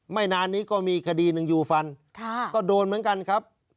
ไม่นานนี้ก็มีคดีหนึ่งยูฟันก็โดนเหมือนกันครับ